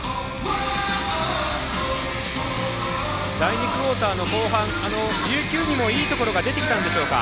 第２クオーターの後半琉球にもいいところが出てきたんでしょうか。